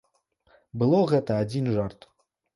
Было гэта адзін жарт.